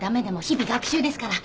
日々学習ですから。